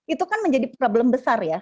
itu kan menjadi problem besar ya